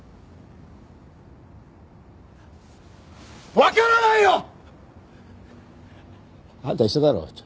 わからないよ！あんた医者だろ。